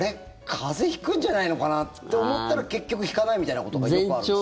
風邪引くんじゃないのかなって思ったら結局、引かないみたいなことがよくあるんです。